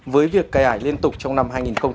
với việc cài ải liên tục trong năm hai nghìn một mươi sáu